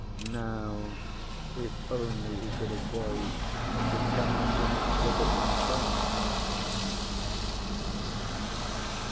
Now if only he could avoid becoming an exhibit himself!